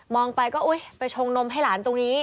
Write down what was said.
ไปก็อุ๊ยไปชงนมให้หลานตรงนี้